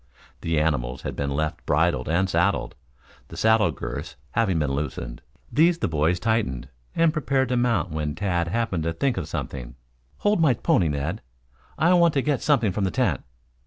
The animals had been left bridled and saddled, the saddle girths having been loosened. These the boys tightened and prepared to mount when Tad happened to think of something. "Hold my pony, Ned. I want to get something from the tent."